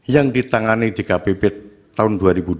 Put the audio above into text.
yang ditangani di kpb tahun dua ribu dua puluh empat